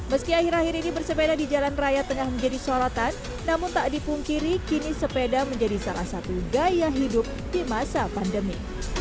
meski akhir akhir ini bersepeda di jalan raya tengah menjadi sorotan namun tak dipungkiri kini sepeda menjadi salah satu gaya hidup di masa pandemi